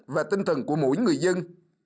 và tinh thần của mỗi người dân